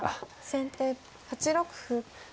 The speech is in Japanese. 先手８六歩。